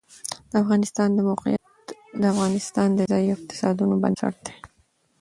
د افغانستان د موقعیت د افغانستان د ځایي اقتصادونو بنسټ دی.